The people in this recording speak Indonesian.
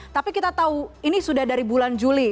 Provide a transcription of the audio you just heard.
tapi kita tahu ini sudah dari bulan juli